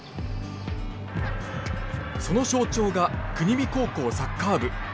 その象徴が国見高校サッカー部。